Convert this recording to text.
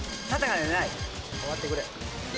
終わってくれ。